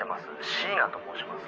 椎名と申します」